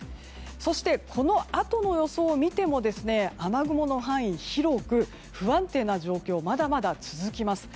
そして、このあとの予想を見ても雨雲の範囲が広く不安定な状況がまだまだ続きます。